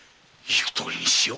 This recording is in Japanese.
言うとおりにしよう。